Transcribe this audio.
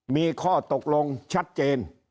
มีข้อตกลงชัดเจน